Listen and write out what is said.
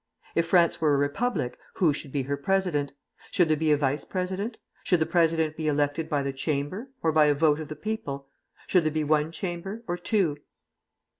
If France were a republic, who should be her president? Should there be a vice president? Should the president be elected by the Chamber, or by a vote of the people? Should there be one Chamber, or two?